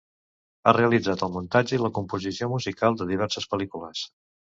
Ha realitzat el muntatge i la composició musical de diverses pel·lícules.